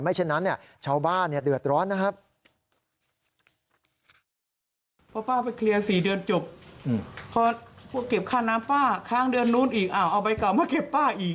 เช่นนั้นชาวบ้านเดือดร้อนนะครับ